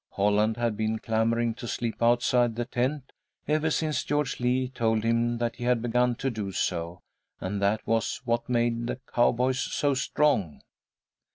Holland had been clamouring to sleep outside the tent ever since George Lee told him that he had begun to do so, and that was what made the cowboys so strong.